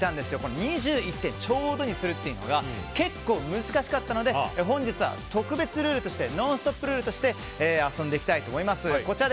２１点ちょうどにするというのが結構難しかったので本日は特別ルール「ノンストップ！」ルールとして遊んでいきたいと思います。